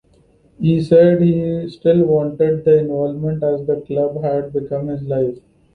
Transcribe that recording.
He said he still wanted the involvement as the club had become his life.